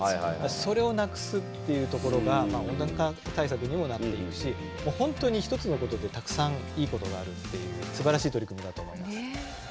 それをなくすっていうところが温暖化対策にもなっているしほんとに１つのことでたくさんいいことがあるっていうすばらしい取り組みだと思います。